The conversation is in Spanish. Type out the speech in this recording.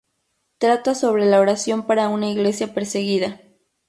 Trata sobre la oración para una Iglesia perseguida.